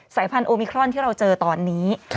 สายพันธุมิครอนที่เราเจอตอนนี้